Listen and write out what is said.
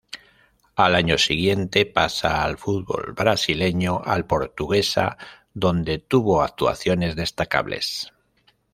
Al año siguiente pasa al fútbol brasileño, al Portuguesa, donde tuvo actuaciones destacables.